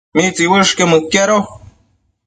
¿mitsiuëshquio mëquiado?